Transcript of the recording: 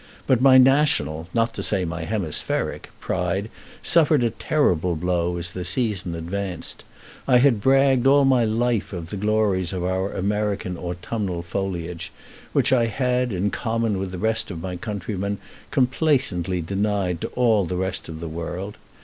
But my national not to say my hemispheric pride suffered a terrible blow as the season advanced. I had bragged all my life of the glories of our American autumnal foliage, which I had, in common with the rest of my countrymen, complacently denied to all the rest of the world.